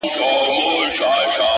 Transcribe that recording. o خر پر خوټو پېژني.